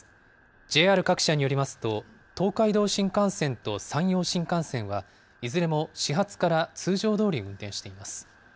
ＪＲ各社によりますと、東海道新幹線と山陽新幹線は、いずれも始発から通常どおり運転しています。